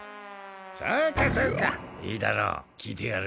そうかそうかいいだろう聞いてやる。